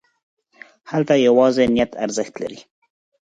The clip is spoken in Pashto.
هلته یوازې نیت ارزښت لري.